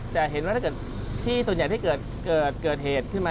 จะเห็นว่าส่วนใหญ่ที่เกิดเหตุขึ้นมา